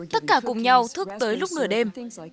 tất cả cùng nhau thức tới lúc nửa đêm